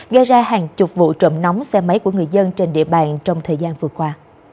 gây ra hàng chục vụ trộm nóng xe máy của người dân trên địa bàn trong thời gian vừa qua